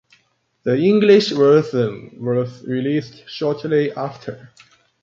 The English version was released shortly after.